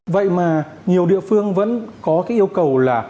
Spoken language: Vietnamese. vậy mà nhiều địa phương vẫn có cái yêu cầu là